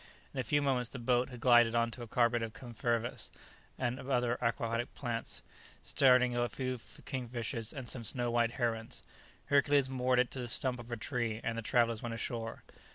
In a few moments the boat had glided on to a carpet of confervas and other aquatic plants, starting a few kingfishers and some snow white herons. Hercules moored it to the stump of a tree, and the travellers went ashore.